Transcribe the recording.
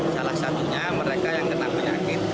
salah satunya mereka yang kena penyakit